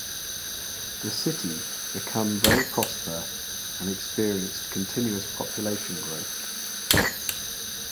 The city become very prosper and experienced continuous population growth.